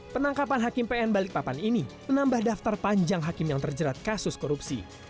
penangkapan hakim pn balikpapan ini menambah daftar panjang hakim yang terjerat kasus korupsi